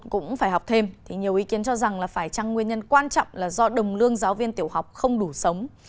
cũng phải học thêm thì nhiều ý kiến cho rằng là phải chăng nguyên nhân quan trọng là do đồng lương giáo viên tiểu học không đủ sống